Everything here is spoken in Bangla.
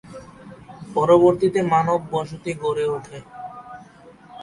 পরবর্তীতে মানব বসতি গড়ে ওঠে।